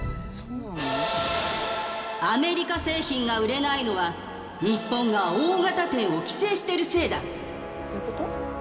アメリカ製品が売れないのは日本が大型店を規制してるせいだ！